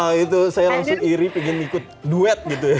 nah itu saya langsung iri pengen ikut duet gitu ya